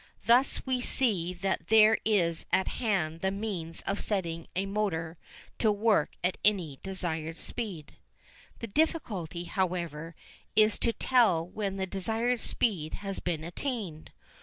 Thus we see that there is at hand the means of setting a motor to work at any desired speed. The difficulty, however, is to tell when the desired speed has been attained.